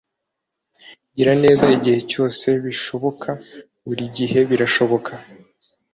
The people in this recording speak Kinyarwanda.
gira neza igihe cyose bishoboka. buri gihe birashoboka